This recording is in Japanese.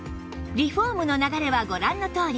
リフォームの流れはご覧のとおり